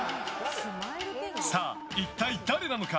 さあ、一体誰なのか？